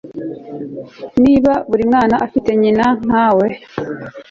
niba buri mwana afite nyina nkawe